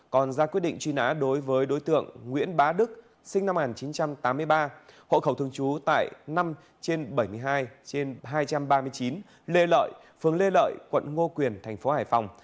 còn ra quyết định truy nã đối với đối tượng nguyễn bá đức sinh năm một nghìn chín trăm tám mươi ba hộ khẩu thường trú tại năm trên bảy mươi hai trên hai trăm ba mươi chín lê lợi phường lê lợi quận ngô quyền thành phố hải phòng